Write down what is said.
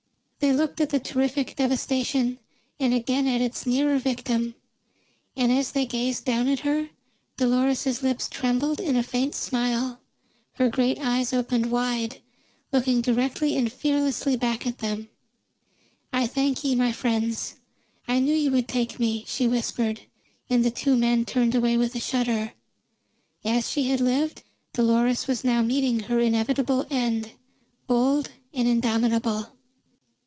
They looked at the terrific devastation, and again at its nearer victim. And as they gazed down at her, Dolores's lips trembled in a faint smile, her great eyes opened wide, looking directly and fearlessly back at them. "I thank ye, my friends; I knew you would take me," she whispered, and the two men turned away with a shudder. As she had lived, Dolores was now meeting her inevitable end, bold and indomitable.